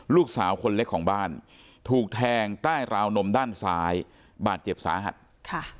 ลูกสาวคนเล็กของบ้านถูกแทงใต้ราวนมด้านซ้ายบาดเจ็บสาหัสค่ะ